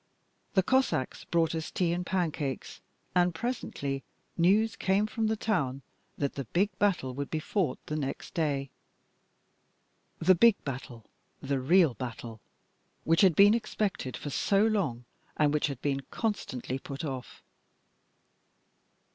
The Cossacks brought us tea and pancakes, and presently news came from the town that the big battle would be fought the next day: the big battle; the real battle, which had been expected for so long and which had been constantly put off.